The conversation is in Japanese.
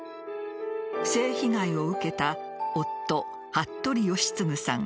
性被害を受けた夫、服部吉次さん